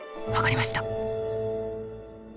分かりました。